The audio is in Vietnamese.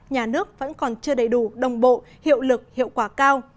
nhà nước vẫn còn chưa đầy đủ đồng bộ hiệu lực hiệu quả cao